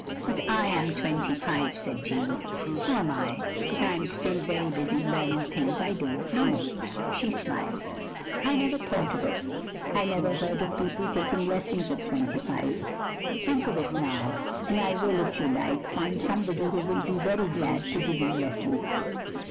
" But I am twenty five, " said Jeanne. "So am I — ^but I am still very busy leammg things I don't know, '* She smiled. OF GROSVENOR SQUARE 201 " I never thought of it, I never heard of people taking lessons at twenty five!" "Think of it now; and I will, if you like, find somebody who will be very glad to give you lessons.